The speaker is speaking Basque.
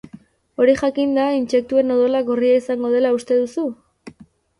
Hori jakinda, intsektuen odola gorria izango dela uste duzu?